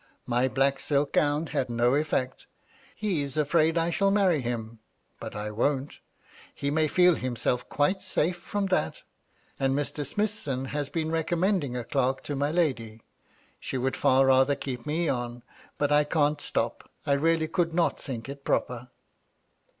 My black silk gown had no effect. He's afraid I shall marry him. But I won't; he may feel himself quite safe from that. And Mr. Smithson has been recommending a derk to my lady. She would far rather keep me on ; but I can' stop. I really could not think it proper."